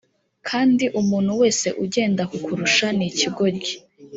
kandi umuntu wese ugenda kukurusha ni ikigoryi